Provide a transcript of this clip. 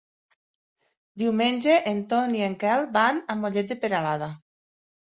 Diumenge en Ton i en Quel van a Mollet de Peralada.